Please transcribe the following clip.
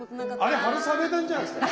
あれ春雨なんじゃないですか？